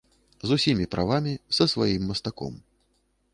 З усімі правамі, са сваім мастаком.